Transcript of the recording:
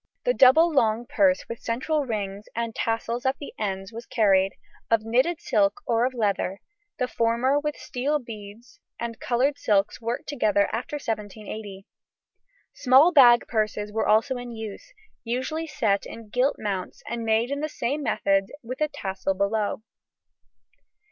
The double long purse with central rings and tassels at the ends was carried, of knitted silk or of leather, the former with steel beads and coloured silks worked together after 1780: small bag purses were also in use, usually set in gilt mounts and made in the same methods with a tassel below.